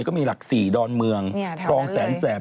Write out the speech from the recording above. ก็มีหลัก๔ดอนเมืองคลองแสนแสบ